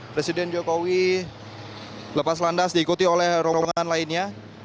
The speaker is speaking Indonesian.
presiden jokowi lepas landas diikuti oleh rombongan lainnya